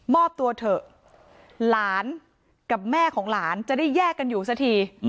ตัวเถอะหลานกับแม่ของหลานจะได้แยกกันอยู่สักที